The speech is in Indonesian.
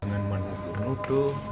jangan manggung nuduh